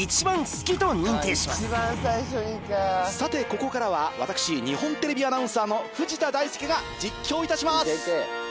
さてここからは私日本テレビアナウンサーの藤田大介が実況いたします。